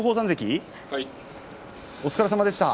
お疲れさまでした。